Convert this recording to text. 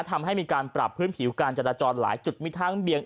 ทำให้มีการปรับพื้นผิวการจราจรหลายจุดมีทั้งเบียง